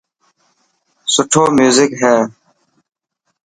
سٺو ميوزڪ هي.